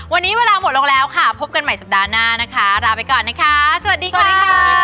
วันนี้เวลาหมดลงแล้วค่ะพบกันใหม่สัปดาห์หน้านะคะลาไปก่อนนะคะสวัสดีค่ะ